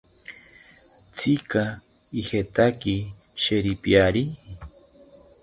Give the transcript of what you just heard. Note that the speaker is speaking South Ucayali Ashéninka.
¿Tzika ijekaki sheripiari?